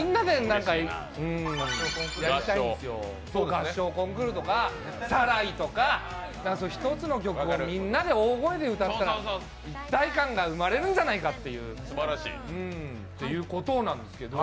合唱コンクールとか、「サライ」とかそういう一つの曲をみんなで大声で歌ったら、一体感が生まれるんじゃないかということなんですけれども。